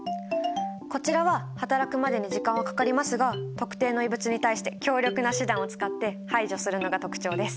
こちらははたらくまでに時間はかかりますが特定の異物に対して強力な手段を使って排除するのが特徴です。